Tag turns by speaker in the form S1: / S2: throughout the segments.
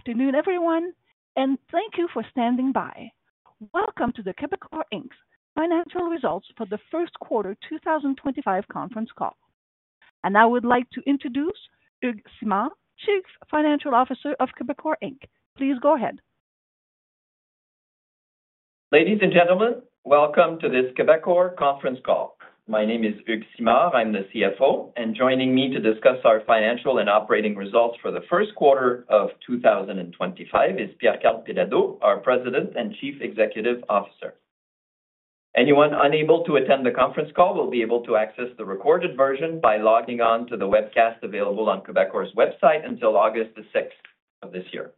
S1: Afternoon, everyone, and thank you for standing by. Welcome to the Quebecor Financial Results for the First Quarter 2025 conference call. I would like to introduce Hugues Simard, Chief Financial Officer of Quebecor Inc. Please go ahead.
S2: Ladies and gentlemen, welcome to this Quebecor Conference Call. My name is Hugues Simard, I'm the CFO, and joining me to discuss our financial and operating results for the first quarter of 2025 is Pierre Karl Péladeau, our President and Chief Executive Officer. Anyone unable to attend the conference call will be able to access the recorded version by logging on to the webcast available on Quebecor's website until August 6th of this year.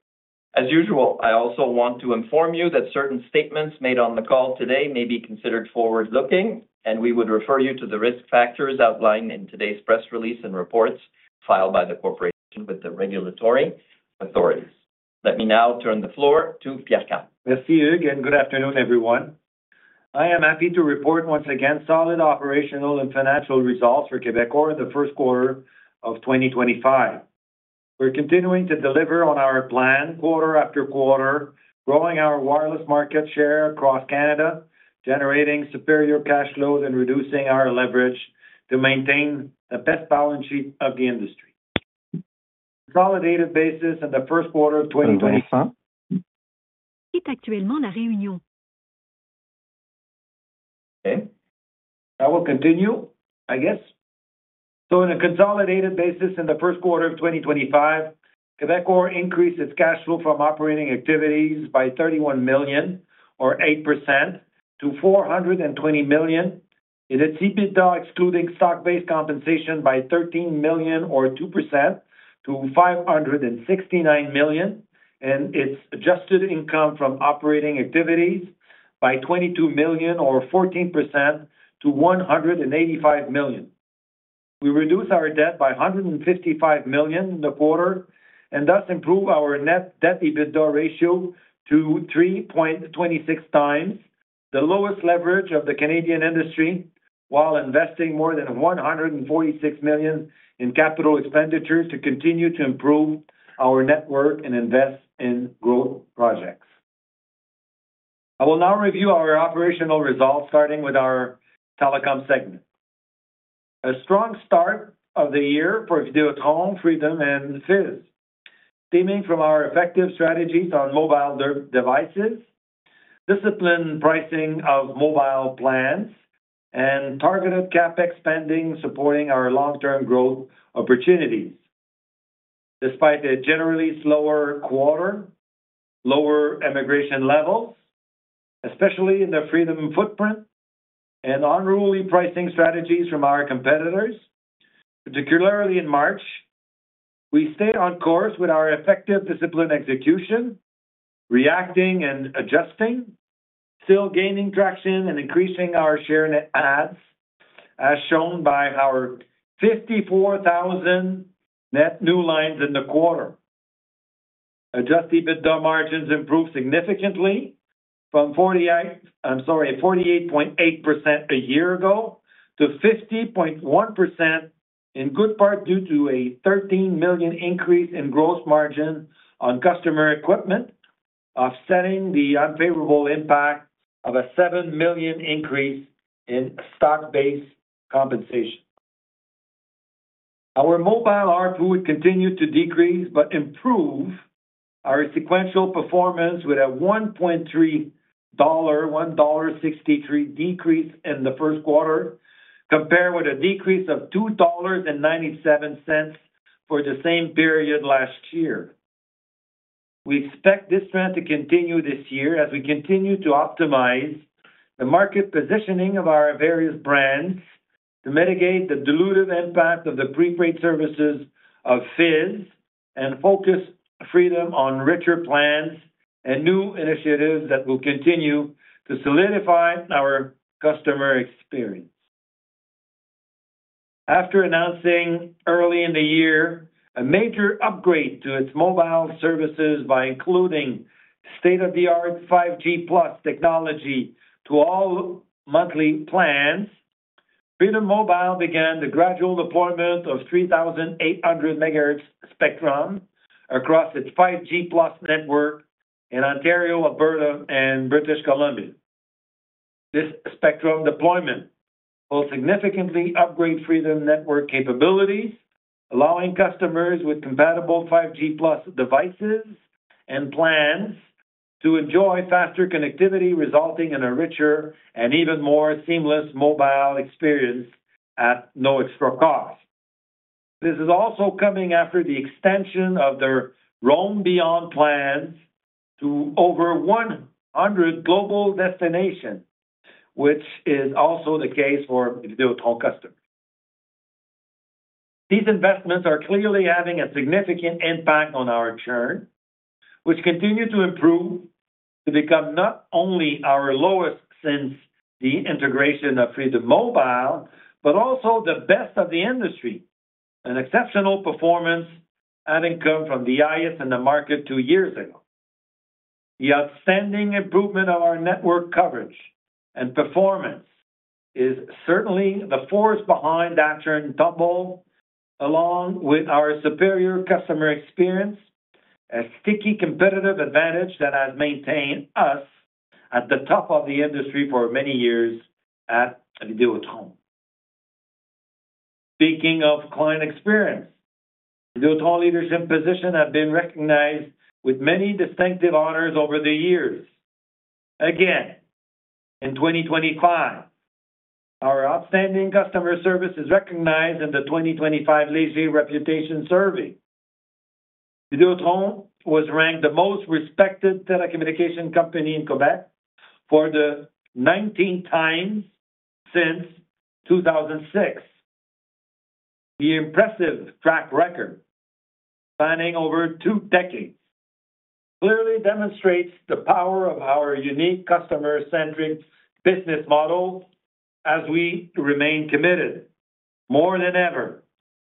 S2: As usual, I also want to inform you that certain statements made on the call today may be considered forward-looking, and we would refer you to the risk factors outlined in today's press release and reports filed by the Corporation with the regulatory authorities. Let me now turn the floor to Pierre Karl.
S3: Merci Hugues, and good afternoon, everyone. I am happy to report once again solid operational and financial results for Quebecor in the first quarter of 2025. We're continuing to deliver on our plan, quarter after quarter, growing our wireless market share across Canada, generating superior cash flows, and reducing our leverage to maintain the best balance sheet of the industry. On a consolidated basis, in the first quarter of 2025.
S4: Quitte actuellement la réunion.
S3: Okay. I will continue, I guess. On a consolidated basis, in the first quarter of 2025, Quebecor increased its cash flow from operating activities by 31 million, or 8%, to 420 million. It exceeded that, excluding stock-based compensation, by 13 million, or 2%, to 569 million. Its adjusted income from operating activities increased by 22 million, or 14%, to 185 million. We reduced our debt by 155 million in the quarter and thus improved our net debt-to-EBITDA ratio to 3.26 times, the lowest leverage of the Canadian industry, while investing more than 146 million in capital expenditures to continue to improve our net worth and invest in growth projects. I will now review our operational results, starting with our telecom segment. A strong start of the year for Videotron, Freedom, and Fizz, stemming from our effective strategies on mobile devices, disciplined pricing of mobile plans, and targeted CapEx spending supporting our long-term growth opportunities. Despite a generally slower quarter, lower immigration levels, especially in the Freedom footprint, and unruly pricing strategies from our competitors, particularly in March, we stayed on course with our effective discipline execution, reacting and adjusting, still gaining traction and increasing our share net adds, as shown by our 54,000 net new lines in the quarter. Adjusted EBITDA margins improved significantly from 48.8% a year ago to 50.1%, in good part due to a 13 million increase in gross margin on customer equipment, offsetting the unfavorable impact of a 7 million increase in stock-based compensation. Our mobile RPU would continue to decrease but improve our sequential performance with a 1.33 dollar decrease in the first quarter, compared with a decrease of 2.97 dollars for the same period last year. We expect this trend to continue this year as we continue to optimize the market positioning of our various brands to mitigate the dilutive impact of the prepaid services of Fizz and focus Freedom on richer plans and new initiatives that will continue to solidify our customer experience. After announcing early in the year a major upgrade to its mobile services by including state-of-the-art 5G+ technology to all monthly plans, Freedom Mobile began the gradual deployment of 3,800 MHz spectrum across its 5G+ network in Ontario, Alberta, and British Columbia. This spectrum deployment will significantly upgrade Freedom's network capabilities, allowing customers with compatible 5G+ devices and plans to enjoy faster connectivity, resulting in a richer and even more seamless mobile experience at no extra cost. This is also coming after the extension of their Roam Beyond plans to over 100 global destinations, which is also the case for Videotron customers. These investments are clearly having a significant impact on our churn, which continues to improve to become not only our lowest since the integration of Freedom Mobile, but also the best of the industry, an exceptional performance adding curb from the highest in the market two years ago. The outstanding improvement of our network coverage and performance is certainly the force behind that churn double, along with our superior customer experience, a sticky competitive advantage that has maintained us at the top of the industry for many years at Videotron. Speaking of client experience, Videotron leaders in position have been recognized with many distinctive honors over the years. Again, in 2025, our outstanding customer service is recognized in the 2025 Léger Reputation Survey. Videotron was ranked the most respected telecommunication company in Quebec for the 19th time since 2006. The impressive track record, spanning over two decades, clearly demonstrates the power of our unique customer-centric business model as we remain committed, more than ever,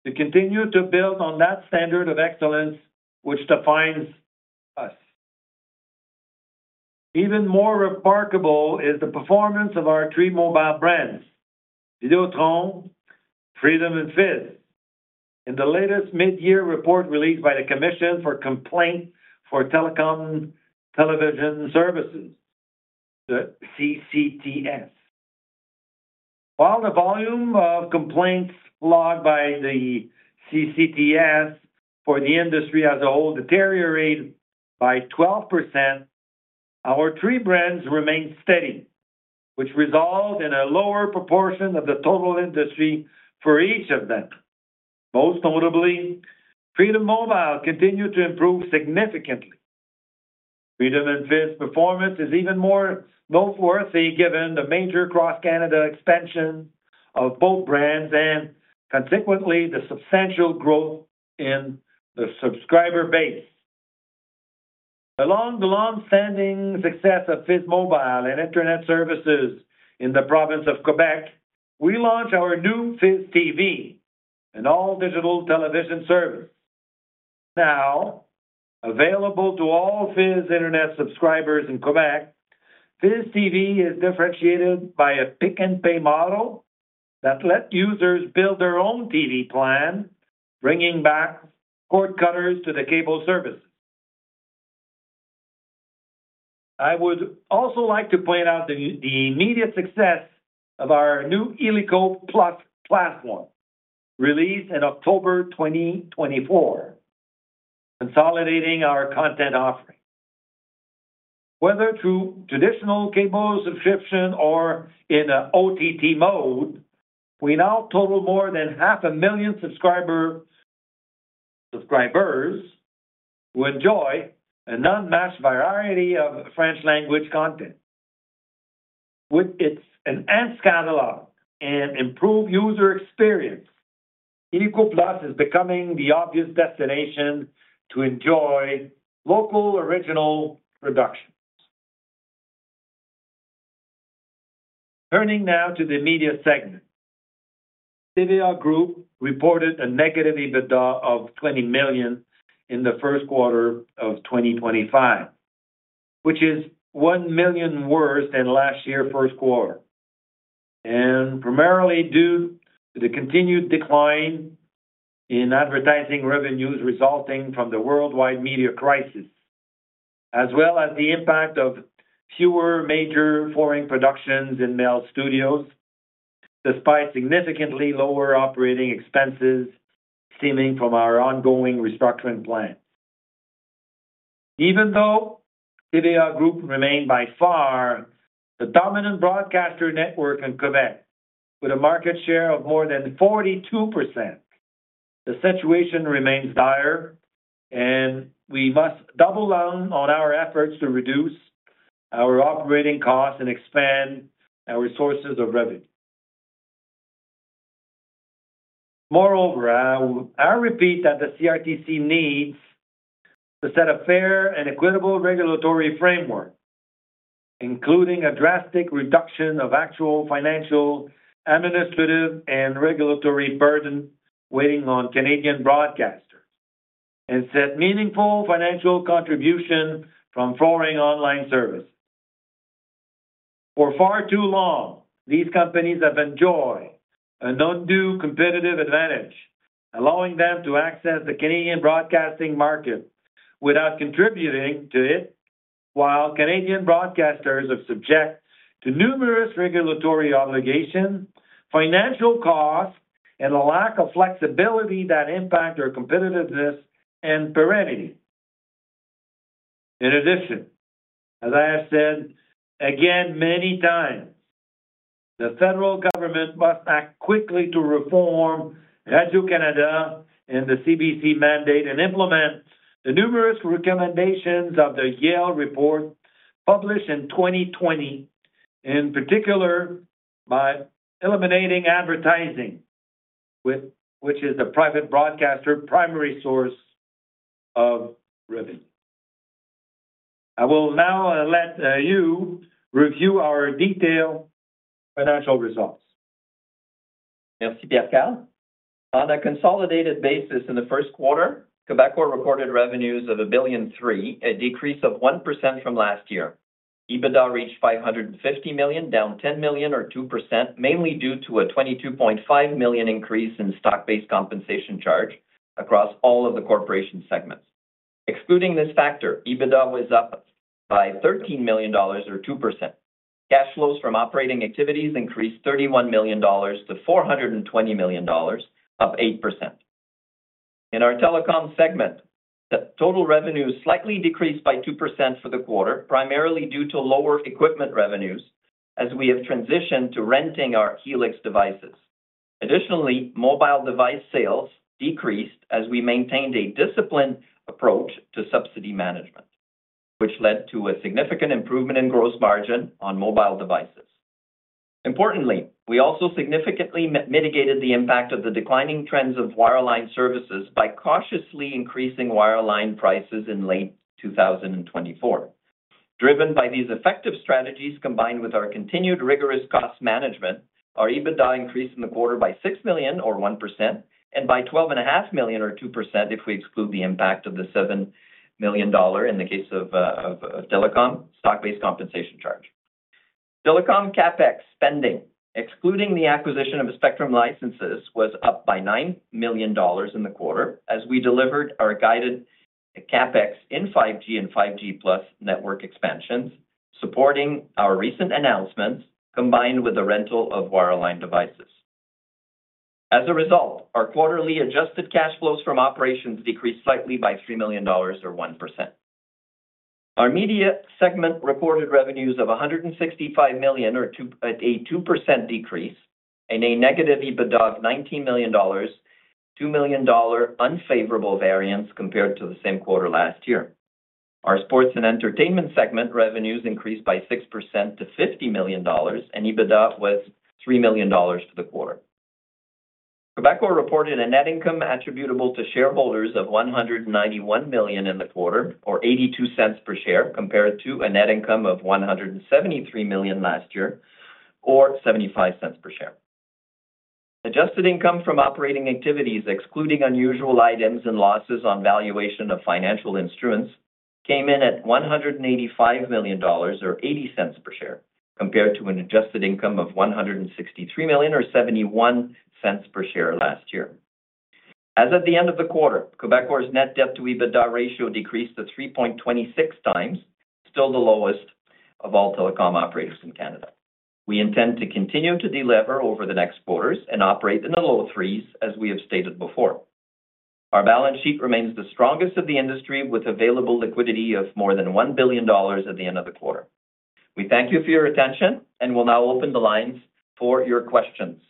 S3: to continue to build on that standard of excellence which defines us. Even more remarkable is the performance of our three mobile brands, Videotron, Freedom, and Fizz, in the latest mid-year report released by the Commission for Complaints for Telecom-television Services, the CCTS. While the volume of complaints logged by the CCTS for the industry as a whole deteriorated by 12%, our three brands remained steady, which resulted in a lower proportion of the total industry for each of them. Most notably, Freedom Mobile continued to improve significantly. Freedom and Fizz performance is even more noteworthy given the major cross-Canada expansion of both brands and, consequently, the substantial growth in the subscriber base. Along the long-standing success of Fizz Mobile and internet services in the province of Quebec, we launch our new Fizz TV, an all-digital television service. Now available to all Fizz internet subscribers in Quebec, Fizz TV is differentiated by a pick-and-pay model that lets users build their own TV plan, bringing back cord cutters to the cable services. I would also like to point out the immediate success of our new illico+ platform, released in October 2024, consolidating our content offering. Whether through traditional cable subscription or in OTT mode, we now total more than 500,000 subscribers who enjoy an unmatched variety of French-language content. With its enhanced catalog and improved user experience, illico+ is becoming the obvious destination to enjoy local, original productions. Turning now to the media segment, TVA Group reported a negative EBITDA of 20 million in the first quarter of 2025, which is 1 million worse than last year's first quarter, and primarily due to the continued decline in advertising revenues resulting from the worldwide media crisis, as well as the impact of fewer major foreign productions in MELS studios, despite significantly lower operating expenses stemming from our ongoing restructuring plans. Even though TVA Group remained by far the dominant broadcaster network in Quebec with a market share of more than 42%, the situation remains dire, and we must double down on our efforts to reduce our operating costs and expand our sources of revenue. Moreover, I repeat that the CRTC needs to set a fair and equitable regulatory framework, including a drastic reduction of actual financial, administrative, and regulatory burden weighing on Canadian broadcasters, and set meaningful financial contribution from foreign online services. For far too long, these companies have enjoyed an undue competitive advantage, allowing them to access the Canadian broadcasting market without contributing to it, while Canadian broadcasters are subject to numerous regulatory obligations, financial costs, and a lack of flexibility that impact their competitiveness and perennity. In addition, as I have said again many times, the federal government must act quickly to reform Radio-Canada and the CBC mandate and implement the numerous recommendations of the Yale report published in 2020, in particular by eliminating advertising, which is the private broadcaster's primary source of revenue. I will now let you review our detailed financial results.
S2: Merci, Pierre Karl. On a consolidated basis, in the first quarter, Quebecor recorded revenues of 1.3 billion, a decrease of 1% from last year. EBITDA reached 550 million, down 10 million, or 2%, mainly due to a 22.5 million increase in stock-based compensation charge across all of the corporation segments. Excluding this factor, EBITDA was up by 13 million dollars, or 2%. Cash flows from operating activities increased 31 million dollars to 420 million dollars, up 8%. In our telecom segment, total revenues slightly decreased by 2% for the quarter, primarily due to lower equipment revenues as we have transitioned to renting our Helix devices. Additionally, mobile device sales decreased as we maintained a disciplined approach to subsidy management, which led to a significant improvement in gross margin on mobile devices. Importantly, we also significantly mitigated the impact of the declining trends of wireline services by cautiously increasing wireline prices in late 2024. Driven by these effective strategies, combined with our continued rigorous cost management, our EBITDA increased in the quarter by 6 million, or 1%, and by 12.5 million, or 2%, if we exclude the impact of the 7 million dollar in the case of telecom stock-based compensation charge. Telecom CapEx spending, excluding the acquisition of spectrum licenses, was up by 9 million dollars in the quarter as we delivered our guided CapEx in 5G and 5G+ network expansions, supporting our recent announcements combined with the rental of wireline devices. As a result, our quarterly adjusted cash flows from operations decreased slightly by 3 million dollars, or 1%. Our media segment reported revenues of 165 million, or a 2% decrease, and a negative EBITDA of 19 million dollars, 2 million dollar unfavorable variance compared to the same quarter last year. Our sports and entertainment segment revenues increased by 6% to 50 million dollars, and EBITDA was 3 million dollars for the quarter. Quebecor reported a net income attributable to shareholders of 191 million in the quarter, or 0.82 per share, compared to a net income of 173 million last year, or 0.75 per share. Adjusted income from operating activities, excluding unusual items and losses on valuation of financial instruments, came in at 185 million dollars, or 0.80 per share, compared to an adjusted income of 163 million, or 0.71 per share last year. As of the end of the quarter, Quebecor's net debt-to-EBITDA ratio decreased to 3.26 times, still the lowest of all telecom operators in Canada. We intend to continue to deliver over the next quarters and operate in the low threes, as we have stated before. Our balance sheet remains the strongest of the industry, with available liquidity of more than 1 billion dollars at the end of the quarter. We thank you for your attention and will now open the lines for your questions.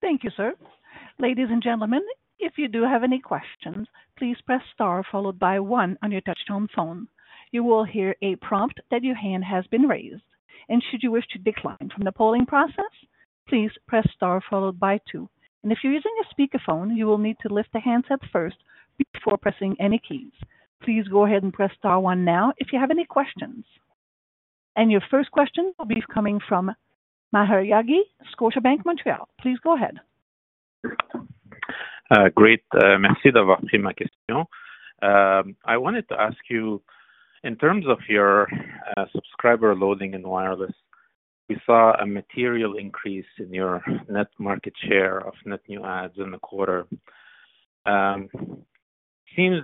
S1: Thank you, sir. Ladies and gentlemen, if you do have any questions, please press star followed by one on your touchstone phone. You will hear a prompt that your hand has been raised. Should you wish to decline from the polling process, please press star followed by two. If you're using a speakerphone, you will need to lift the handset first before pressing any keys. Please go ahead and press star one now if you have any questions. Your first question will be coming from Maher Yaghi, Scotiabank, Montreal. Please go ahead.
S5: Great. Merci d'avoir pris ma question. I wanted to ask you, in terms of your subscriber loading in wireless, we saw a material increase in your net market share of net new adds in the quarter. It seems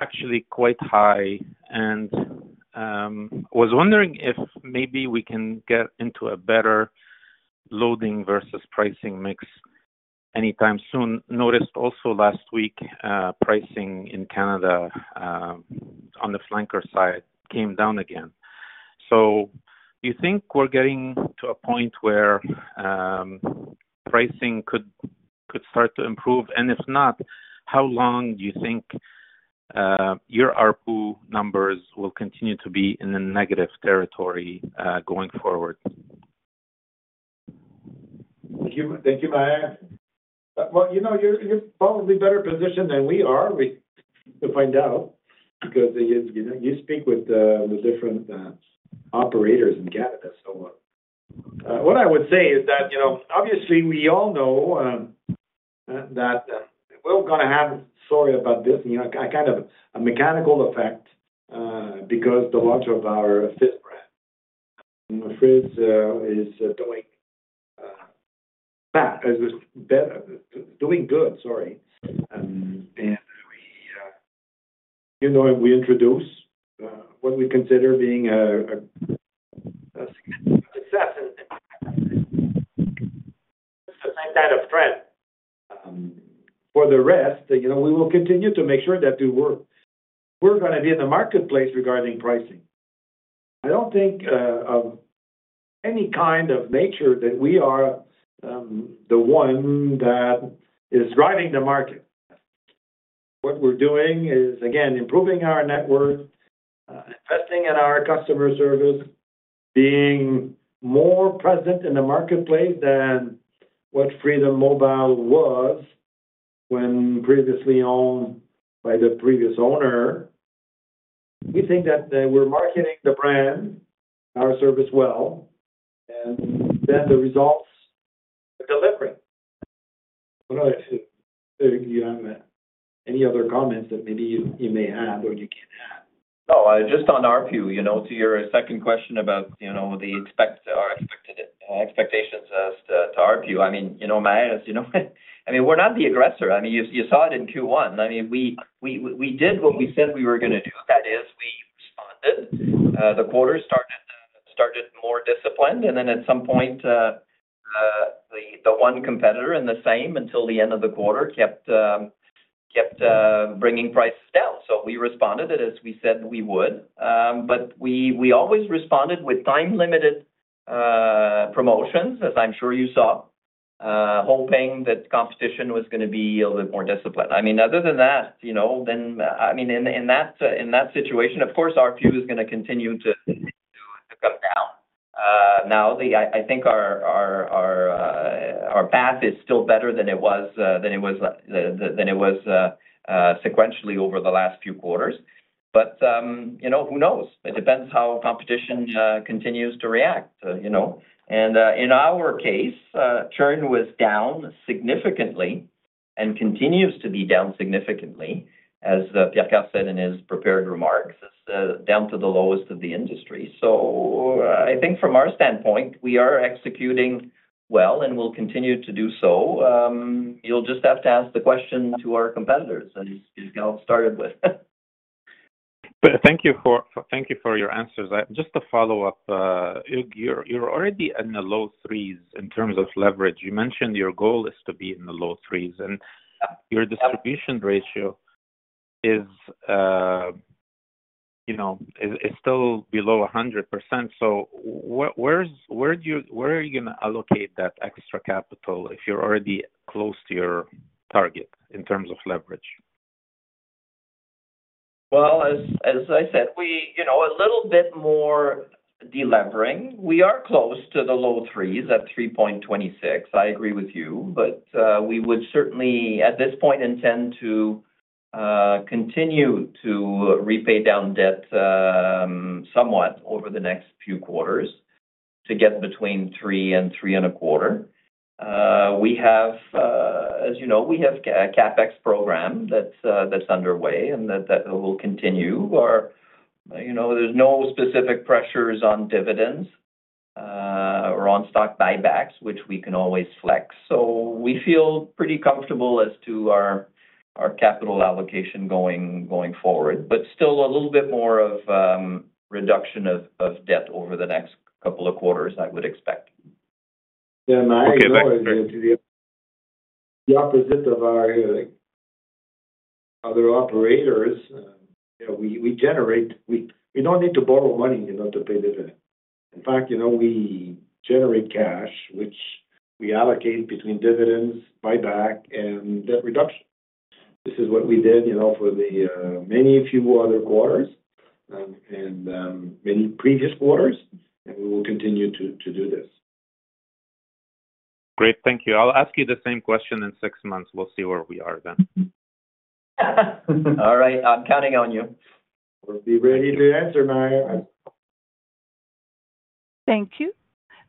S5: actually quite high, and I was wondering if maybe we can get into a better loading versus pricing mix anytime soon. Noticed also last week, pricing in Canada on the flanker side came down again. Do you think we're getting to a point where pricing could start to improve? If not, how long do you think your ARPU numbers will continue to be in negative territory going forward?
S3: Thank you, Maher. You're probably better positioned than we are. We have to find out because you speak with different operators in Canada. What I would say is that, obviously, we all know that we're going to have, sorry about this, a kind of a mechanical effect because of the launch of our Fizz brand. Fizz is doing good, sorry. We introduced what we consider being a success and a negative threat. For the rest, we will continue to make sure that we're going to be in the marketplace regarding pricing. I do not think of any kind of nature that we are the one that is driving the market. What we're doing is, again, improving our network, investing in our customer service, being more present in the marketplace than what Freedom Mobile was when previously owned by the previous owner. We think that we're marketing the brand, our service well, and then the results are delivering. I don't know if you have any other comments that maybe you may have or you can't add.
S2: No, just on ARPU, to your second question about our expectations as to ARPU, I mean, Maher. I mean, we're not the aggressor. I mean, you saw it in Q1. I mean, we did what we said we were going to do. That is, we responded. The quarter started more disciplined, and then at some point, the one competitor in the same until the end of the quarter kept bringing prices down. We responded as we said we would, but we always responded with time-limited promotions, as I'm sure you saw, hoping that competition was going to be a little bit more disciplined. I mean, other than that, in that situation, of course, ARPU is going to continue to come down. Now, I think our path is still better than it was sequentially over the last few quarters. Who knows? It depends how competition continues to react. In our case, churn was down significantly and continues to be down significantly, as Pierre Karl said in his prepared remarks, down to the lowest of the industry. I think from our standpoint, we are executing well and will continue to do so. You'll just have to ask the question to our competitors, as Pierre Karl started with.
S5: Thank you for your answers. Just to follow up, you're already in the low threes in terms of leverage. You mentioned your goal is to be in the low threes, and your distribution ratio is still below 100%. Where are you going to allocate that extra capital if you're already close to your target in terms of leverage?
S2: As I said, a little bit more delevering. We are close to the low threes at 3.26. I agree with you, but we would certainly, at this point, intend to continue to repay down debt somewhat over the next few quarters to get between 3 and 3.25. As you know, we have a CapEx program that's underway and that will continue. There's no specific pressures on dividends or on stock buybacks, which we can always flex. We feel pretty comfortable as to our capital allocation going forward, but still a little bit more of reduction of debt over the next couple of quarters, I would expect.
S3: Yeah, Maher, the opposite of our other operators, we generate, we do not need to borrow money to pay dividends. In fact, we generate cash, which we allocate between dividends, buyback, and debt reduction. This is what we did for the many few other quarters and many previous quarters, and we will continue to do this.
S5: Great. Thank you. I will ask you the same question in six months. We will see where we are then.
S2: All right. I am counting on you.
S3: We will be ready to answer, Maher.
S1: Thank you.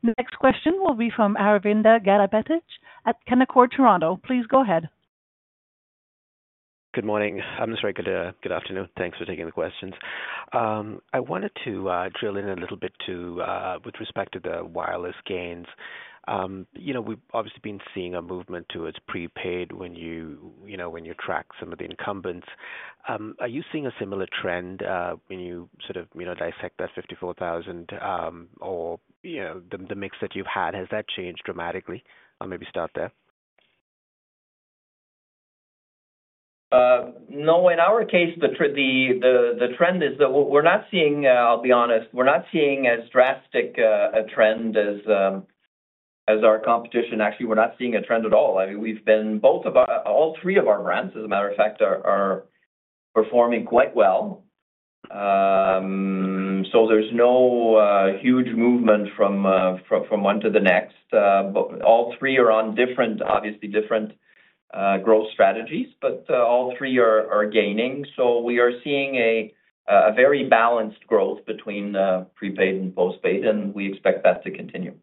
S1: Next question will be from Aravinda Galappatthige at Canaccord Toronto. Please go ahead.
S6: Good morning. I am sorry. Good afternoon. Thanks for taking the questions. I wanted to drill in a little bit with respect to the wireless gains. We've obviously been seeing a movement towards prepaid when you track some of the incumbents. Are you seeing a similar trend when you sort of dissect that 54,000 or the mix that you've had? Has that changed dramatically? I'll maybe start there.
S2: No. In our case, the trend is that we're not seeing, I'll be honest, we're not seeing as drastic a trend as our competition. Actually, we're not seeing a trend at all. I mean, both of our, all three of our brands, as a matter of fact, are performing quite well. There is no huge movement from one to the next. All three are on, obviously, different growth strategies, but all three are gaining. We are seeing a very balanced growth between prepaid and postpaid, and we expect that to continue.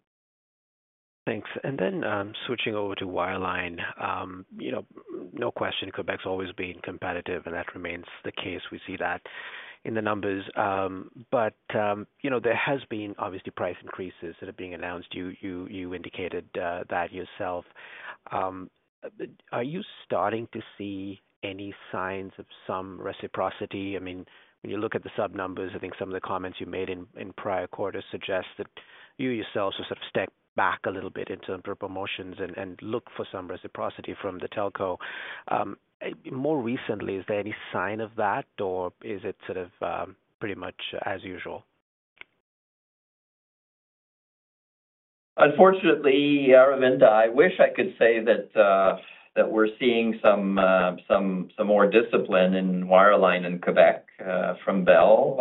S6: Thanks. Then switching over to wireline, no question, Quebec's always been competitive, and that remains the case. We see that in the numbers. There has been, obviously, price increases that are being announced. You indicated that yourself. Are you starting to see any signs of some reciprocity? I mean, when you look at the sub-numbers, I think some of the comments you made in prior quarters suggest that you yourself sort of stepped back a little bit in terms of promotions and looked for some reciprocity from the telco. More recently, is there any sign of that, or is it sort of pretty much as usual?
S2: Unfortunately, Aravinda, I wish I could say that we're seeing some more discipline in wireline in Quebec from Bell.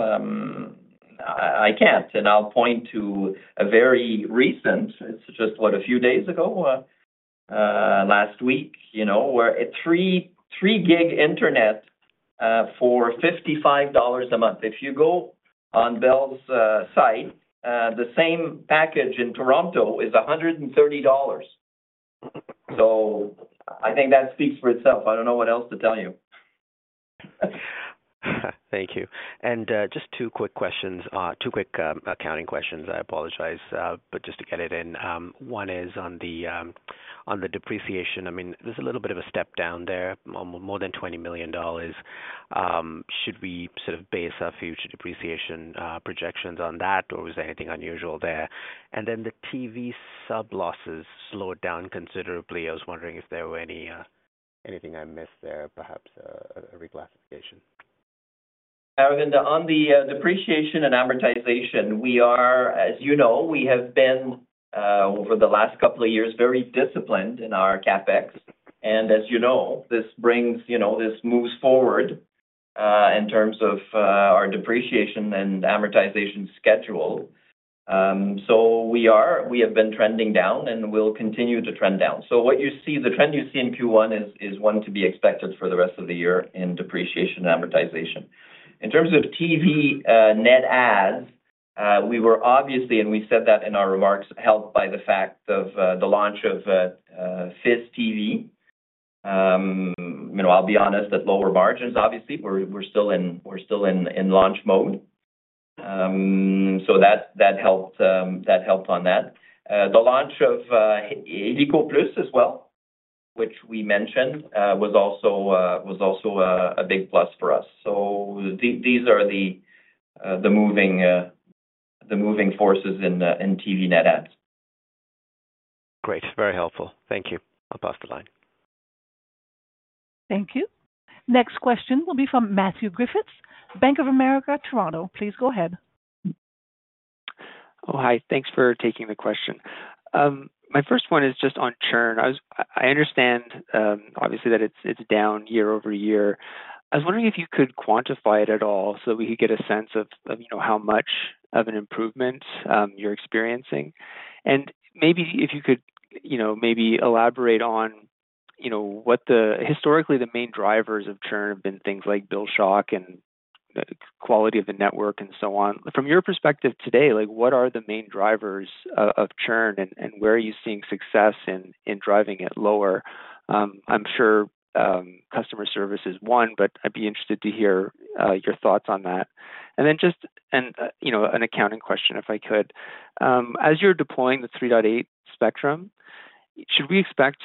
S2: I can't, and I'll point to a very recent, just, what, a few days ago, last week, where a 3GB internet for 55 dollars a month. If you go on Bell's site, the same package in Toronto is 130 dollars. I think that speaks for itself. I do not know what else to tell you.
S6: Thank you. Just two quick questions, two quick accounting questions. I apologize, but just to get it in. One is on the depreciation. I mean, there is a little bit of a step down there, more than 20 million dollars. Should we sort of base our future depreciation projections on that, or was there anything unusual there? The TV sub-losses slowed down considerably. I was wondering if there was anything I missed there, perhaps a reclassification.
S2: Aravinda, on the depreciation and amortization, as you know, we have been, over the last couple of years, very disciplined in our CapEx. As you know, this moves forward in terms of our depreciation and amortization schedule. We have been trending down and will continue to trend down. The trend you see in Q1 is one to be expected for the rest of the year in depreciation and amortization. In terms of TV net ads, we were obviously, and we said that in our remarks, helped by the fact of the launch of Fizz TV. I'll be honest, at lower margins, obviously, we're still in launch mode. That helped on that. The launch of illico+ as well, which we mentioned, was also a big plus for us. These are the moving forces in TV net ads.
S6: Great. Very helpful. Thank you. I'll pass the line.
S1: Thank you. Next question will be from Matthew Griffiths, Bank of America, Toronto. Please go ahead.
S7: Oh, hi. Thanks for taking the question. My first one is just on churn. I understand, obviously, that it's down year-over-year. I was wondering if you could quantify it at all so that we could get a sense of how much of an improvement you're experiencing. And maybe if you could maybe elaborate on what, historically, the main drivers of churn have been, things like bill shock and quality of the network and so on. From your perspective today, what are the main drivers of churn, and where are you seeing success in driving it lower? I'm sure customer service is one, but I'd be interested to hear your thoughts on that. And then just an accounting question, if I could. As you're deploying the 3.8 spectrum, should we expect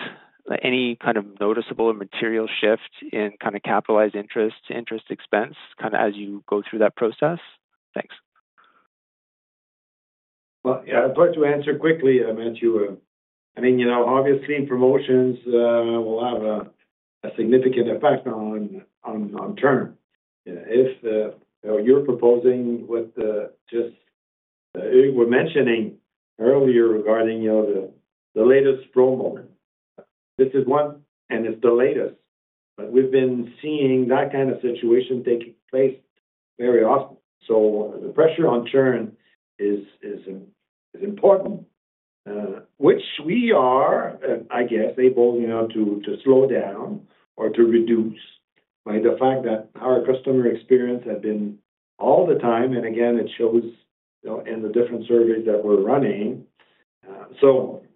S7: any kind of noticeable or material shift in kind of capitalized interest to interest expense kind of as you go through that process? Thanks.
S3: Yeah, I'll try to answer quickly, Matthew. I mean, obviously, promotions will have a significant effect on churn. If you're proposing what just we were mentioning earlier regarding the latest promo, this is one, and it's the latest. We've been seeing that kind of situation taking place very often. The pressure on churn is important, which we are, I guess, able to slow down or to reduce by the fact that our customer experience has been all the time. Again, it shows in the different surveys that we're running.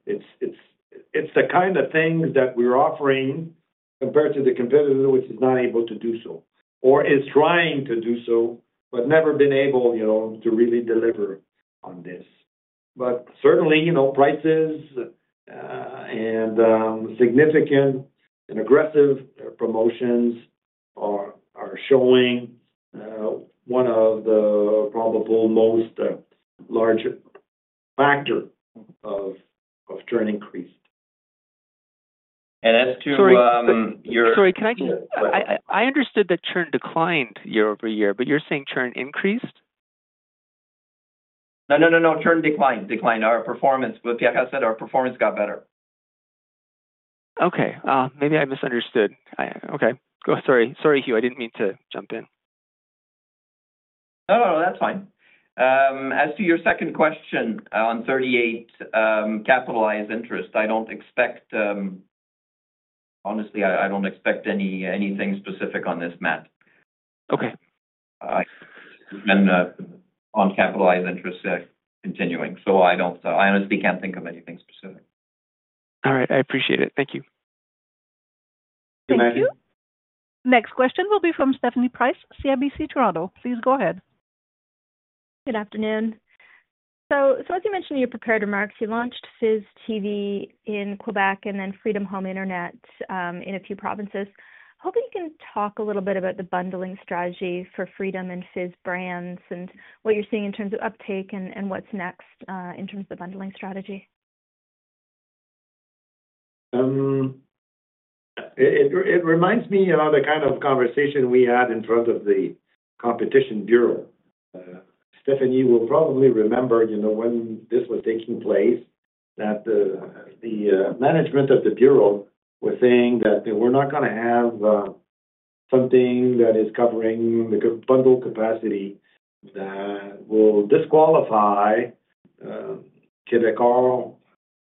S3: It's the kind of things that we're offering compared to the competitor, which is not able to do so or is trying to do so but never been able to really deliver on this. Certainly, prices and significant and aggressive promotions are showing one of the probable most large factors of churn increase.
S2: As to your.
S7: Sorry. Sorry. I understood that churn declined year-over-year, but you're saying churn increased?
S2: No, no, no, no. Churn declined. Declined. Our performance, Pierre Karl said, our performance got better.
S7: Okay. Maybe I misunderstood. Okay. Sorry, Hugues. I didn't mean to jump in.
S2: No, no, no. That's fine. As to your second question on 38 capitalized interest, I don't expect honestly, I don't expect anything specific on this, Matt.
S7: Okay.
S2: We've been on capitalized interest continuing. So I honestly can't think of anything specific.
S7: All right. I appreciate it. Thank you.
S1: Thank you. Next question will be from Stephanie Price, CIBC Toronto. Please go ahead.
S8: Good afternoon. As you mentioned in your prepared remarks, you launched Fizz TV in Quebec and then Freedom Home Internet in a few provinces. Hoping you can talk a little bit about the bundling strategy for Freedom and Fizz brands and what you're seeing in terms of uptake and what's next in terms of the bundling strategy?
S3: It reminds me of the kind of conversation we had in front of the Competition Bureau. Stephanie, you will probably remember when this was taking place that the management of the bureau was saying that they were not going to have something that is covering the bundle capacity that will disqualify Quebecor,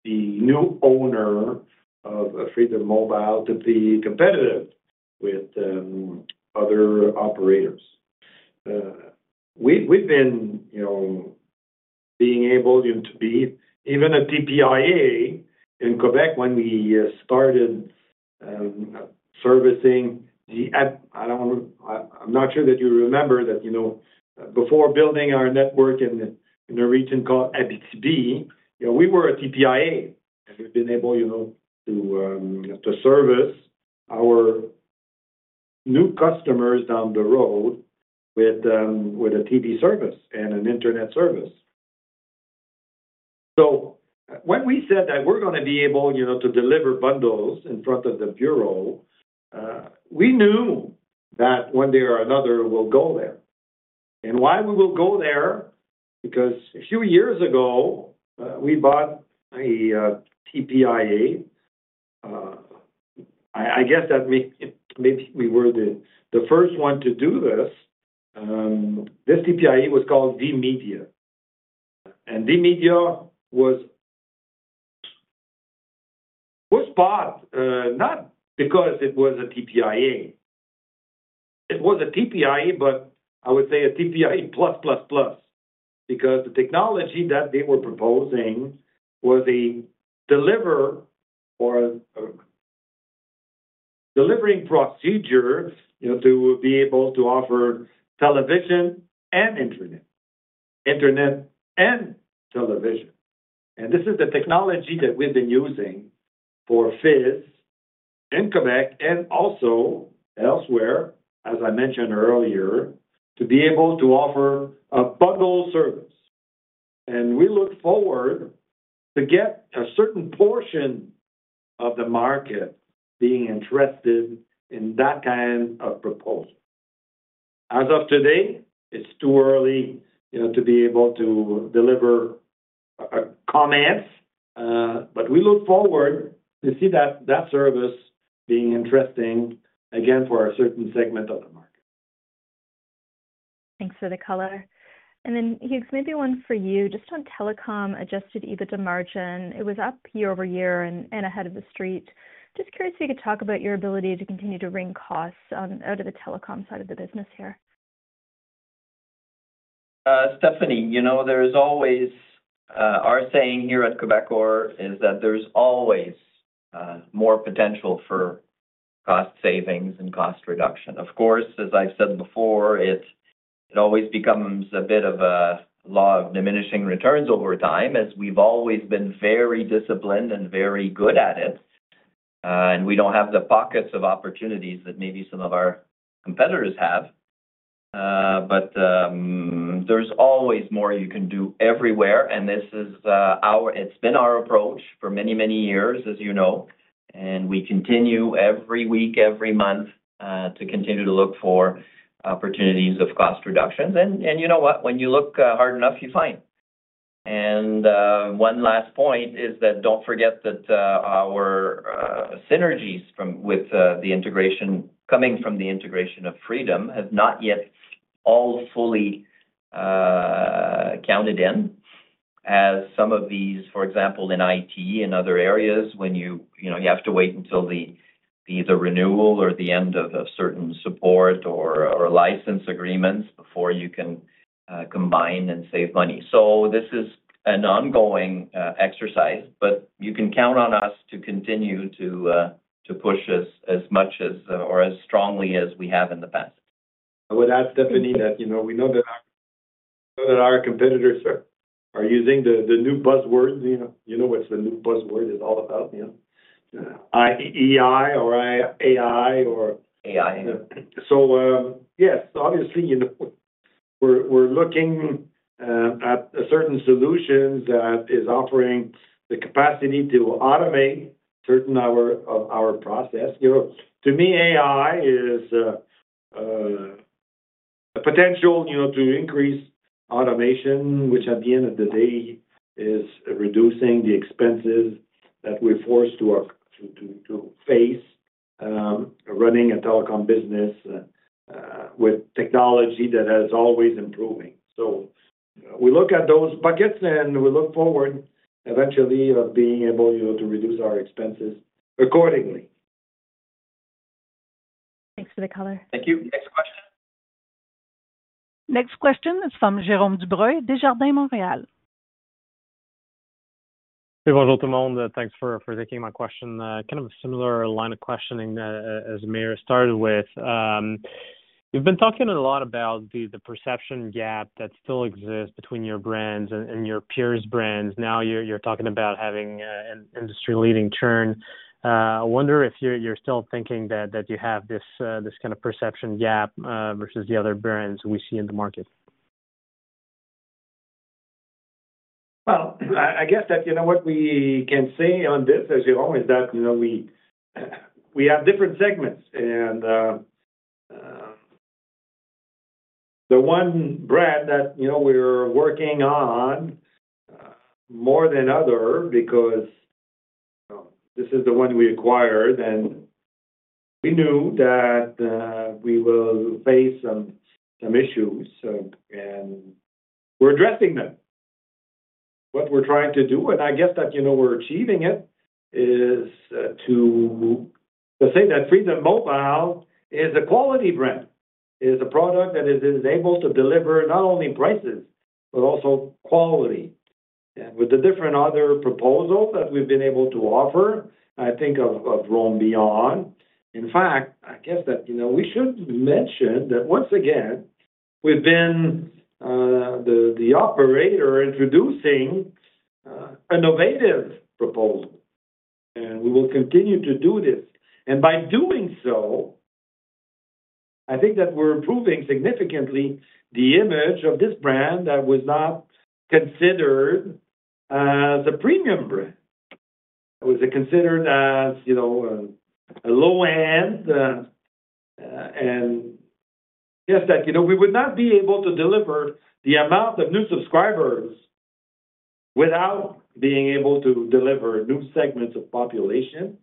S3: the new owner of Freedom Mobile, to be competitive with other operators. We've been being able to be even a TPIA in Quebec when we started servicing the, I'm not sure that you remember that before building our network in a region called Abitibi, we were a TPIA. We have been able to service our new customers down the road with a TV service and an internet service. When we said that we are going to be able to deliver bundles in front of the bureau, we knew that one day or another we will go there. Why will we go there? Because a few years ago, we bought a TPIA. I guess that maybe we were the first one to do this. This TPIA was called VMedia. VMedia was spot not because it was a TPIA. It was a TPIA, but I would say a TPIA plus plus plus because the technology that they were proposing was a delivering procedure to be able to offer television and internet, internet and television. This is the technology that we've been using for Fizz in Quebec and also elsewhere, as I mentioned earlier, to be able to offer a bundle service. We look forward to get a certain portion of the market being interested in that kind of proposal. As of today, it's too early to be able to deliver comments, but we look forward to see that service being interesting again for a certain segment of the market.
S8: Thanks for the color. Hugues, maybe one for you. Just on telecom adjusted EBITDA margin, it was up year over year and ahead of the street. Just curious if you could talk about your ability to continue to ring costs out of the telecom side of the business here.
S2: Stephanie, there is always our saying here at Quebecor is that there's always more potential for cost savings and cost reduction. Of course, as I've said before, it always becomes a bit of a law of diminishing returns over time as we've always been very disciplined and very good at it. We do not have the pockets of opportunities that maybe some of our competitors have. There is always more you can do everywhere. It has been our approach for many, many years, as you know. We continue every week, every month to continue to look for opportunities of cost reductions. You know what? When you look hard enough, you find. One last point is that do not forget that our synergies with the integration coming from the integration of Freedom have not yet all fully counted in. As some of these, for example, in IT and other areas, when you have to wait until either the renewal or the end of certain support or license agreements before you can combine and save money. This is an ongoing exercise, but you can count on us to continue to push as much or as strongly as we have in the past.
S3: I would ask, Stephanie, that we know that our competitors are using the new buzzword. You know what the new buzzword is all about? EI or AI or. AI. Yes, obviously, we are looking at certain solutions that are offering the capacity to automate certain of our process. To me, AI is a potential to increase automation, which at the end of the day is reducing the expenses that we are forced to face running a telecom business with technology that is always improving. We look at those buckets, and we look forward eventually to being able to reduce our expenses accordingly.
S8: Thanks for the color.
S1: Thank you. Next question. Next question is from Jérome Dubreuil, Desjardins, Montréal.
S9: Hey, bonjour, tout le monde. Thanks for taking my question. Kind of a similar line of questioning as Maher started with. You've been talking a lot about the perception gap that still exists between your brands and your peers' brands. Now you're talking about having an industry-leading churn. I wonder if you're still thinking that you have this kind of perception gap versus the other brands we see in the market.
S3: I guess that you know what we can say on this, as you know, is that we have different segments. The one brand that we're working on more than others because this is the one we acquired, and we knew that we will face some issues, and we're addressing them. What we're trying to do, and I guess that we're achieving it, is to say that Freedom Mobile is a quality brand, is a product that is able to deliver not only prices but also quality. With the different other proposals that we've been able to offer, I think have grown beyond. In fact, I guess that we should mention that once again, we've been the operator introducing an innovative proposal. We will continue to do this. By doing so, I think that we're improving significantly the image of this brand that was not considered as a premium brand. It was considered as a low-end. I guess that we would not be able to deliver the amount of new subscribers without being able to deliver new segments of population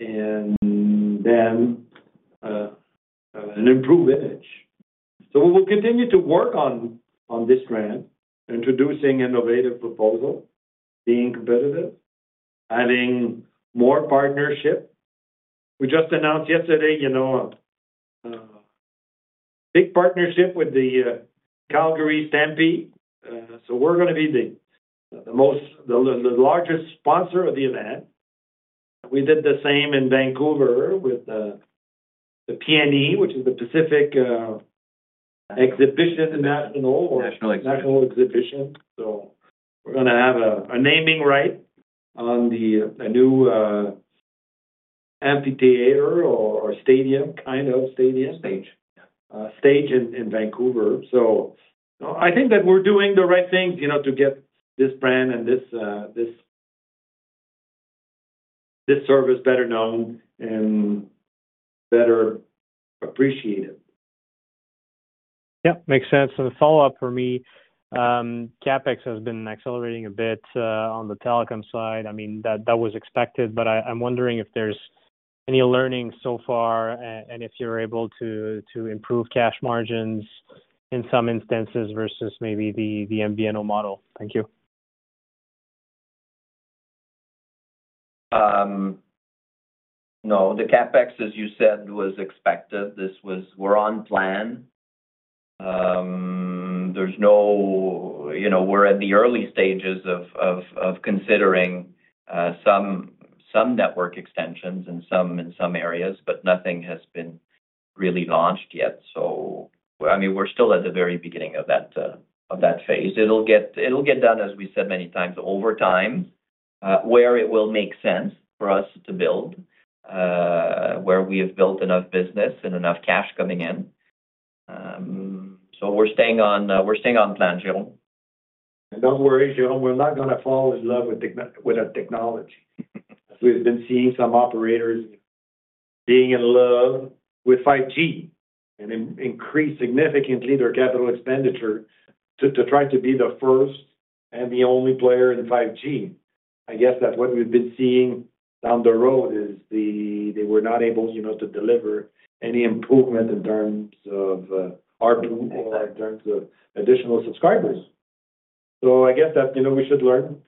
S3: and then an improved image. We will continue to work on this brand, introducing innovative proposals, being competitive, having more partnerships. We just announced yesterday a big partnership with the Calgary Stampede. We're going to be the largest sponsor of the event. We did the same in Vancouver with the Pacific National Exhibition, which is the Pacific National Exhibition. We're going to have a naming right on the new amphitheater or stadium, kind of stadium. Stage. Stage in Vancouver. I think that we're doing the right things to get this brand and this service better known and better appreciated.
S9: Yep. Makes sense. A follow-up for me, CapEx has been accelerating a bit on the telecom side. I mean, that was expected, but I'm wondering if there's any learning so far and if you're able to improve cash margins in some instances versus maybe the MVNO model. Thank you.
S2: No. The CapEx, as you said, was expected. We're on plan. There's no, we're at the early stages of considering some network extensions in some areas, but nothing has been really launched yet. I mean, we're still at the very beginning of that phase. It'll get done, as we said many times, over time where it will make sense for us to build, where we have built enough business and enough cash coming in. We're staying on plan, Jérome.
S3: And don't worry, Jérome, we're not going to fall in love with our technology. We've been seeing some operators being in love with 5G and increase significantly their capital expenditure to try to be the first and the only player in 5G. I guess that what we've been seeing down the road is they were not able to deliver any improvement in terms of RPU or in terms of additional subscribers. I guess that we should learn.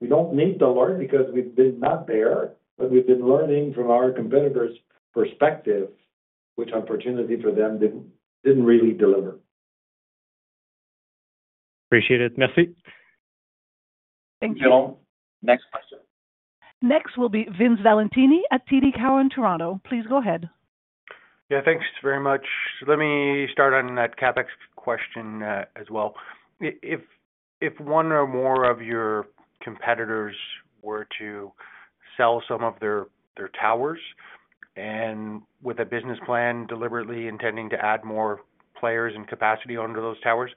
S3: We do not need to learn because we've been not there, but we've been learning from our competitors' perspective, which opportunity for them did not really deliver.
S9: Appreciate it. Merci.
S1: Thank you. Jérome, next question. Next will be Vince Valentini at TD Cowen Toronto. Please go ahead.
S10: Yeah. Thanks very much. Let me start on that CapEx question as well. If one or more of your competitors were to sell some of their towers and with a business plan deliberately intending to add more players and capacity under those towers,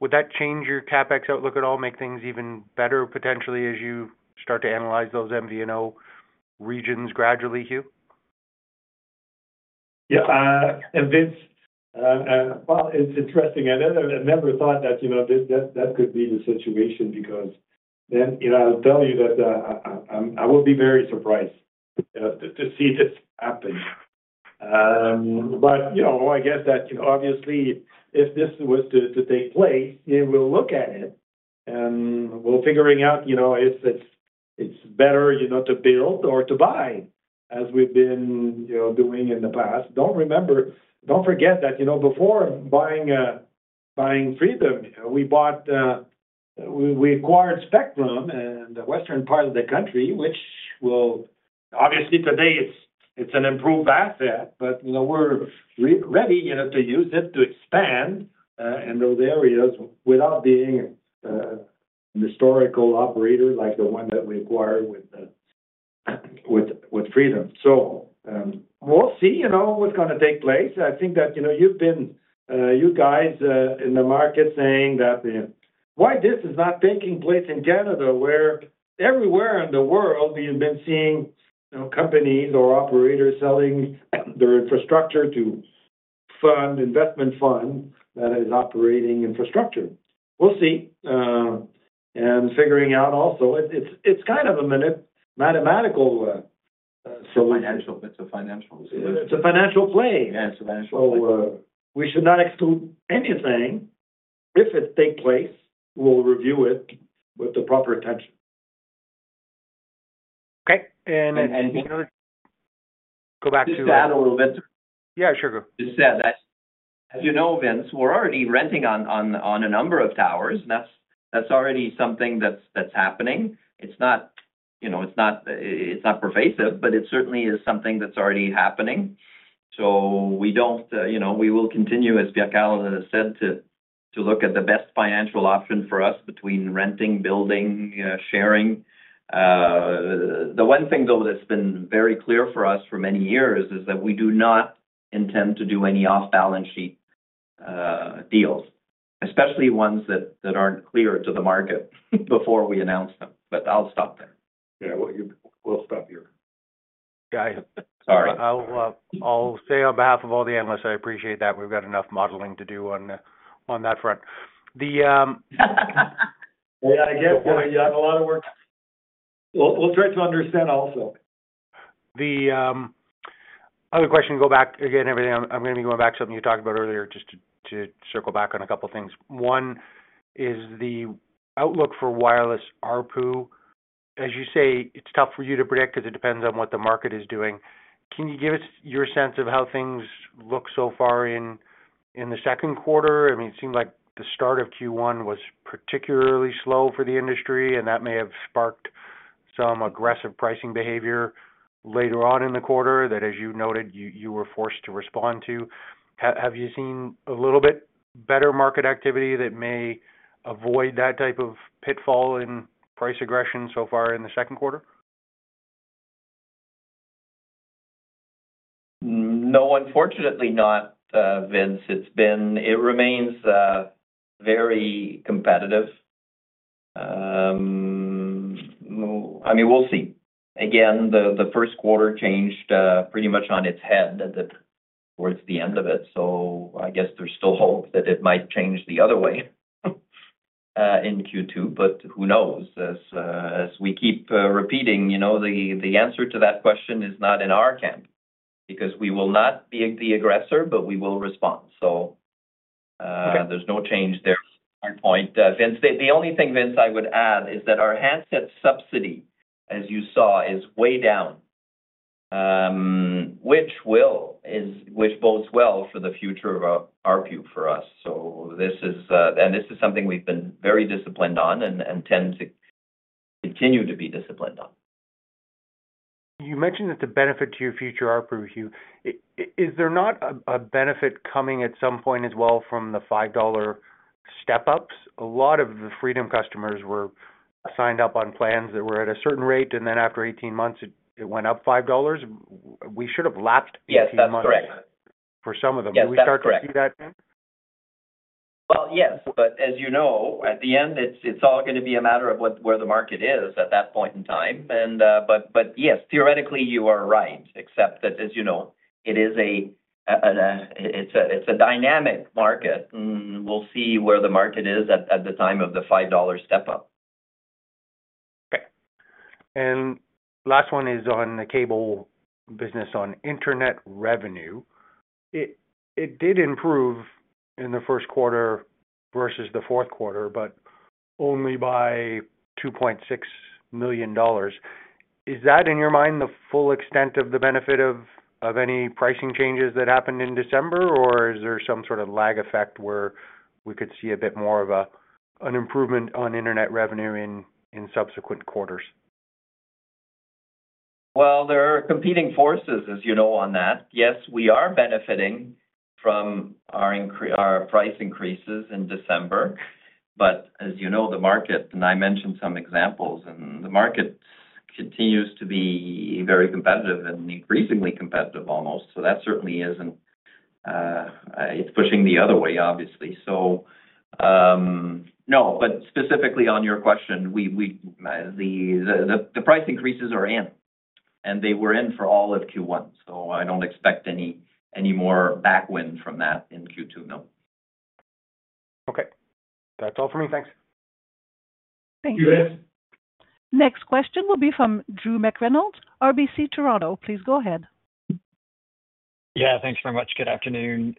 S10: would that change your CapEx outlook at all, make things even better potentially as you start to analyze those MVNO regions gradually, Hugues?
S3: Yeah. And Vince, it's interesting. I never thought that that could be the situation because then I'll tell you that I will be very surprised to see this happen. I guess that obviously, if this was to take place, we'll look at it and we'll figure out if it's better to build or to buy as we've been doing in the past. Don't forget that before buying Freedom, we acquired spectrum in the western part of the country, which will obviously today, it's an improved asset, but we're ready to use it to expand in those areas without being a historical operator like the one that we acquired with Freedom. We'll see what's going to take place. I think that you've been, you guys in the market saying that why this is not taking place in Canada where everywhere in the world, we've been seeing companies or operators selling their infrastructure to fund investment funds that are operating infrastructure. We'll see. Figuring out also, it's kind of a mathematical. It's a financial play. Yeah. It's a financial play. We should not exclude anything. If it takes place, we'll review it with the proper attention.
S10: Okay.
S2: In order to go back to. Just add a little bit.
S10: Yeah. Sure. Go ahead.
S2: Just add that. As you know, Vince, we're already renting on a number of towers, and that's already something that's happening. It's not pervasive, but it certainly is something that's already happening. We will continue, as Pierre Karl said, to look at the best financial option for us between renting, building, sharing. The one thing, though, that's been very clear for us for many years is that we do not intend to do any off-balance sheet deals, especially ones that aren't clear to the market before we announce them. I'll stop there. Yeah. We'll stop here.
S10: Sorry. I'll say on behalf of all the analysts, I appreciate that we've got enough modeling to do on that front. Yeah. I guess we have a lot of work. We'll try to understand also. The other question, go back again, everything. I'm going to be going back to something you talked about earlier just to circle back on a couple of things. One is the outlook for wireless RPU. As you say, it's tough for you to predict because it depends on what the market is doing. Can you give us your sense of how things look so far in the second quarter? I mean, it seemed like the start of Q1 was particularly slow for the industry, and that may have sparked some aggressive pricing behavior later on in the quarter that, as you noted, you were forced to respond to. Have you seen a little bit better market activity that may avoid that type of pitfall in price aggression so far in the second quarter?
S2: No, unfortunately not, Vince. It remains very competitive. I mean, we'll see. Again, the first quarter changed pretty much on its head towards the end of it. I guess there's still hope that it might change the other way in Q2, but who knows? As we keep repeating, the answer to that question is not in our camp because we will not be the aggressor, but we will respond. There's no change there from our point. The only thing, Vince, I would add is that our handset subsidy, as you saw, is way down, which bodes well for the future of ARPU for us. This is something we've been very disciplined on and tend to continue to be disciplined on.
S10: You mentioned that the benefit to your future ARPU, Hugues, is there not a benefit coming at some point as well from the 5 dollar step-ups? A lot of the Freedom customers were signed up on plans that were at a certain rate, and then after 18 months, it went up 5 dollars. We should have lapped 18 months for some of them. Do we start to see that?
S2: Yes. As you know, at the end, it is all going to be a matter of where the market is at that point in time. Yes, theoretically, you are right, except that, as you know, it is a dynamic market, and we will see where the market is at the time of the 5 dollar step-up.
S10: Okay. Last one is on the cable business, on internet revenue. It did improve in the first quarter versus the fourth quarter, but only by 2.6 million dollars. Is that, in your mind, the full extent of the benefit of any pricing changes that happened in December, or is there some sort of lag effect where we could see a bit more of an improvement on internet revenue in subsequent quarters?
S2: There are competing forces, as you know, on that. Yes, we are benefiting from our price increases in December. As you know, the market, and I mentioned some examples, and the market continues to be very competitive and increasingly competitive almost. That certainly is pushing the other way, obviously. No. Specifically on your question, the price increases are in, and they were in for all of Q1. I do not expect any more backwind from that in Q2, no.
S10: Okay. That is all for me. Thanks.
S1: Thank you, Vince. Next question will be from Drew McReynolds, RBC Toronto. Please go ahead.
S11: Yeah. Thanks very much. Good afternoon.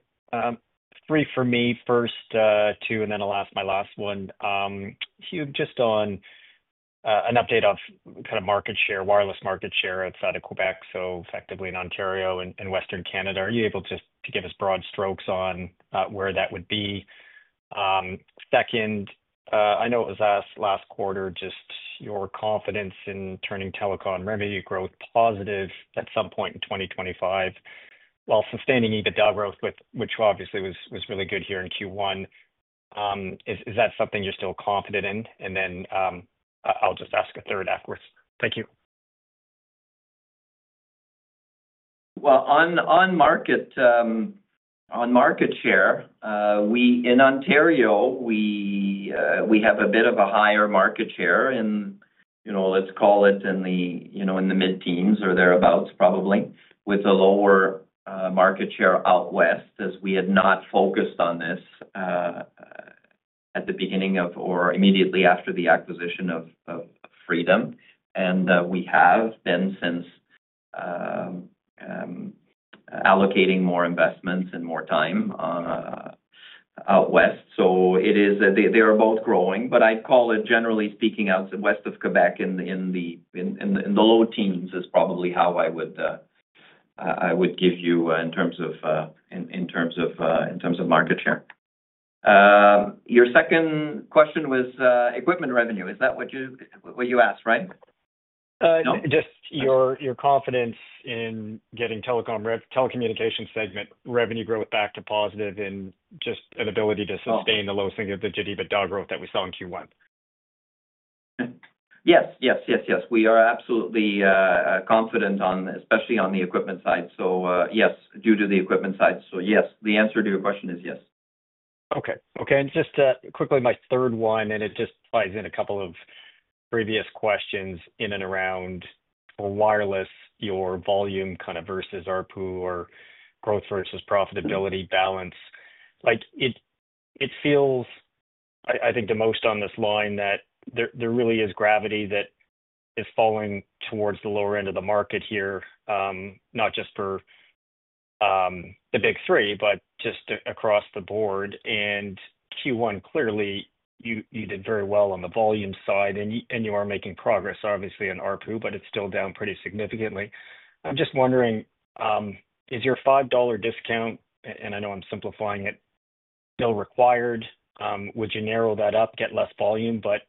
S11: Three for me. First, two, and then my last one. Hugues, just on an update of kind of market share, wireless market share outside of Quebec, so effectively in Ontario and western Canada. Are you able to give us broad strokes on where that would be? Second, I know it was last quarter, just your confidence in turning telecom revenue growth positive at some point in 2025 while sustaining EBITDA growth, which obviously was really good here in Q1. Is that something you're still confident in? And then I'll just ask a third afterwards. Thank you.
S2: On market share, in Ontario, we have a bit of a higher market share in, let's call it, in the mid-teens or thereabouts, probably, with a lower market share out west as we had not focused on this at the beginning of or immediately after the acquisition of Freedom. We have been since allocating more investments and more time out west. They are both growing, but I'd call it, generally speaking, out west of Quebec in the low teens is probably how I would give you in terms of market share. Your second question was equipment revenue. Is that what you asked, right?
S11: No. Just your confidence in getting telecommunication segment revenue growth back to positive and just an ability to sustain the low significant digit EBITDA growth that we saw in Q1.
S2: Yes. Yes. Yes. Yes. We are absolutely confident, especially on the equipment side. Yes, due to the equipment side. Yes, the answer to your question is yes.
S11: Okay. Okay. Just quickly, my third one, and it just ties in a couple of previous questions in and around for wireless, your volume kind of versus ARPU or growth versus profitability balance. It feels, I think, the most on this line that there really is gravity that is falling towards the lower end of the market here, not just for the big three, but just across the board. In Q1, clearly, you did very well on the volume side, and you are making progress, obviously, in ARPU, but it is still down pretty significantly. I am just wondering, is your 5 dollar discount, and I know I am simplifying it, still required? Would you narrow that up, get less volume, but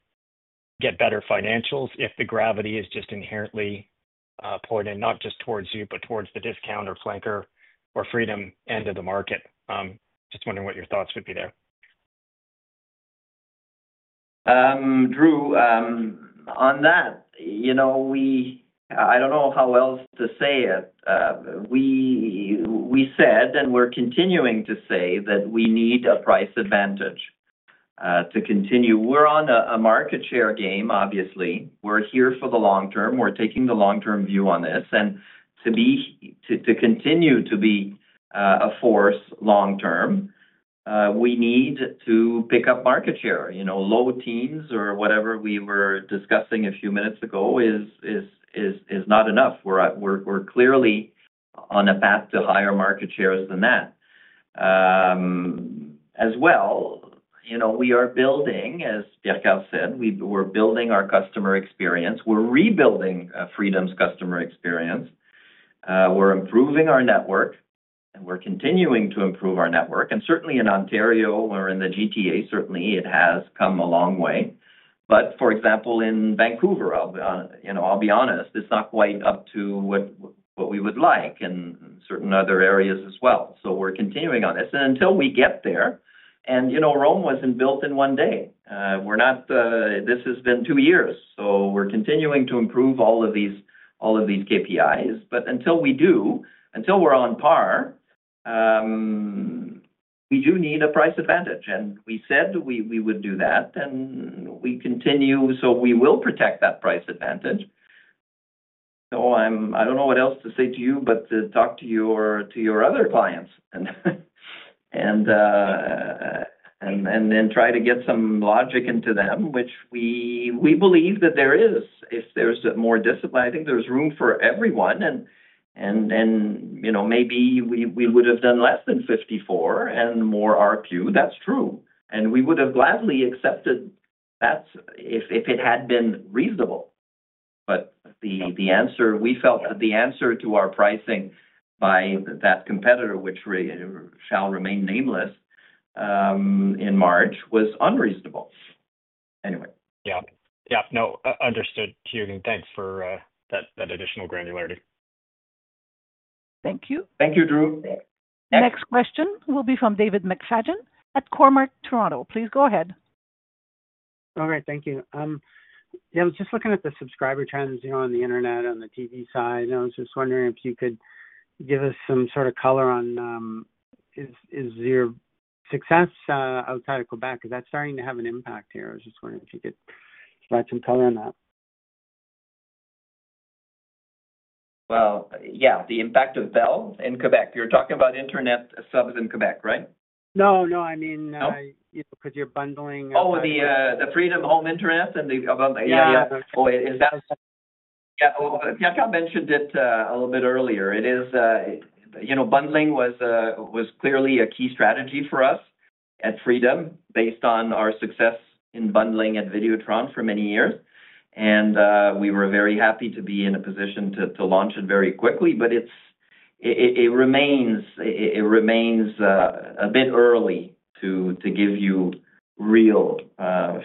S11: get better financials if the gravity is just inherently poured in, not just towards you, but towards the discount or flanker or Freedom end of the market? Just wondering what your thoughts would be there.
S2: Drew, on that, I do not know how else to say it. We said, and we are continuing to say that we need a price advantage to continue. We are on a market share game, obviously. We are here for the long term. We are taking the long-term view on this. To continue to be a force long term, we need to pick up market share. Low teens or whatever we were discussing a few minutes ago is not enough. We are clearly on a path to higher market shares than that. As well, we are building, as Pierre Karl said, we are building our customer experience. We are rebuilding Freedom's customer experience. We're improving our network, and we're continuing to improve our network. Certainly in Ontario, or in the GTA, certainly, it has come a long way. For example, in Vancouver, I'll be honest, it's not quite up to what we would like in certain other areas as well. We're continuing on this. Until we get there, and Rome wasn't built in one day. This has been two years. We're continuing to improve all of these KPIs. Until we do, until we're on par, we do need a price advantage. We said we would do that, and we continue. We will protect that price advantage. I don't know what else to say to you, but to talk to your other clients and then try to get some logic into them, which we believe that there is if there's more discipline. I think there's room for everyone. Maybe we would have done less than 54,000 and more ARPU. That's true. We would have gladly accepted that if it had been reasonable. The answer, we felt that the answer to our pricing by that competitor, which shall remain nameless in March, was unreasonable. Anyway.
S11: Yeah. Yeah. No, understood. Thanks for that additional granularity.
S2: Thank you.
S3: Thank you, Drew.
S1: Next question will be from David McFadgen at Cormark Toronto. Please go ahead.
S12: All right. Thank you. Yeah. I was just looking at the subscriber trends on the internet, on the TV side. I was just wondering if you could give us some sort of color on is your success outside of Quebec? Is that starting to have an impact here? I was just wondering if you could provide some color on that.
S2: The impact of Bell in Quebec. You're talking about internet subs in Quebec, right?
S12: No, no. I mean, because you're bundling.
S2: Oh, the Freedom Home Internet and the.
S12: Yeah. Yeah.
S2: Oh, is that? Yeah. Pierre Karl mentioned it a little bit earlier. It is. Bundling was clearly a key strategy for us at Freedom based on our success in bundling at Videotron for many years. We were very happy to be in a position to launch it very quickly. It remains a bit early to give you real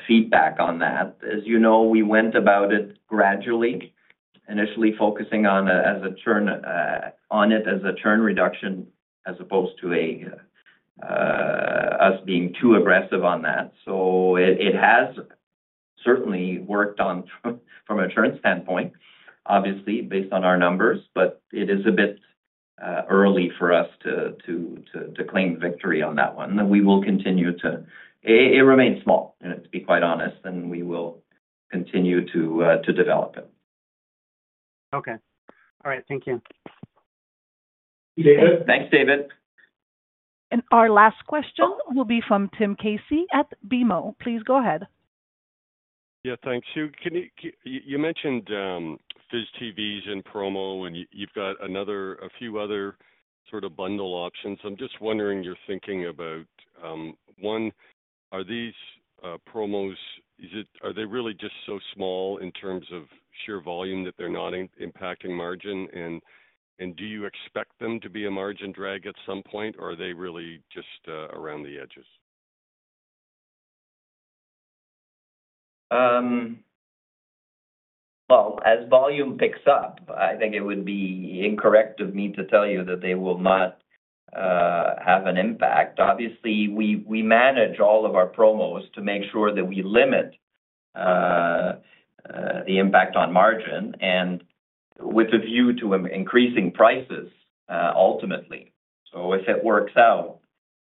S2: feedback on that. As you know, we went about it gradually, initially focusing on it as a churn reduction as opposed to us being too aggressive on that. It has certainly worked from a churn standpoint, obviously, based on our numbers. It is a bit early for us to claim victory on that one. We will continue to. It remains small, to be quite honest. We will continue to develop it.
S12: Okay. All right. Thank you.
S2: David. Thanks, David.
S1: Our last question will be from Tim Casey at BMO. Please go ahead.
S13: Yeah. Thanks. You mentioned Fizz TV is in promo, and you've got a few other sort of bundle options. I'm just wondering your thinking about one. Are these promos, are they really just so small in terms of sheer volume that they're not impacting margin? Do you expect them to be a margin drag at some point, or are they really just around the edges?
S2: As volume picks up, I think it would be incorrect of me to tell you that they will not have an impact. Obviously, we manage all of our promos to make sure that we limit the impact on margin and with a view to increasing prices, ultimately. If it works out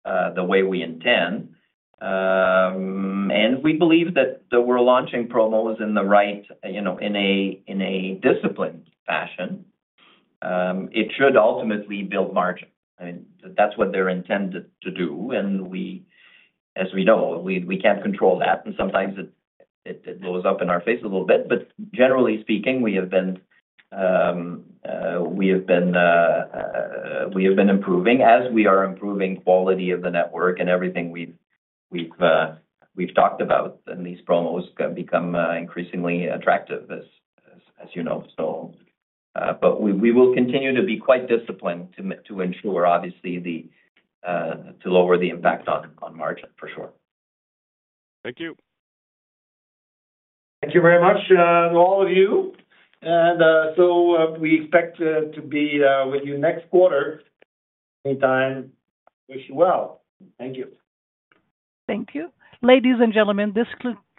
S2: the way we intend, and we believe that we're launching promos in the right, in a disciplined fashion, it should ultimately build margin. I mean, that's what they're intended to do. As we know, we can't control that. Sometimes it blows up in our face a little bit. Generally speaking, we have been improving. As we are improving quality of the network and everything we've talked about, and these promos become increasingly attractive, as you know. We will continue to be quite disciplined to ensure, obviously, to lower the impact on margin, for sure.
S13: Thank you.
S3: Thank you very much to all of you. We expect to be with you next quarter. Anytime, wish you well. Thank you.
S1: Thank you. Ladies and gentlemen, this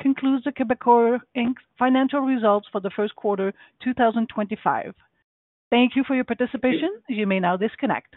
S1: concludes the Quebecor financial results for the first quarter 2025.
S2: Thank you for your participation. You may now disconnect.